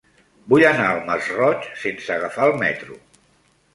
Vull anar al Masroig sense agafar el metro.